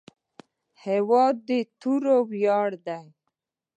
هېواد د توري ویاړ دی.